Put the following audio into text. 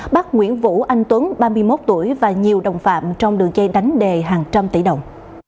bắt nguyễn vũ anh tuấn ba mươi một tuổi và nhiều đồng phạm trong đường dây đánh đề hàng trăm tỷ đồng